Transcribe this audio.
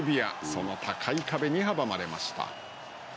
その高い壁に阻まれました。